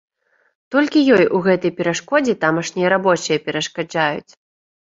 Толькі ёй у гэтай перашкодзе тамашнія рабочыя перашкаджаюць.